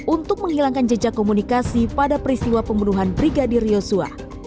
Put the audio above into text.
untuk menghilangkan jejak komunikasi pada peristiwa pembunuhan brigadir yosua